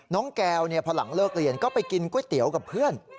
น้องแก้วพอหลังเลิกเรียนก็ไปกินก๋วยเตี๋ยวกับเพื่อน